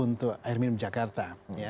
untuk air minum jakarta